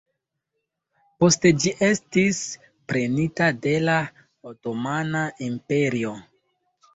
Poste ĝi estis prenita de la Otomana Imperio.